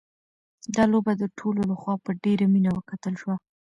دا لوبه د ټولو لخوا په ډېره مینه وکتل شوه.